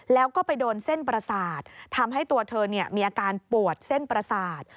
แล้วก็ไปโดนเส้นประสาททำให้ตัวเธอมีอาการปวดเส้นประสาท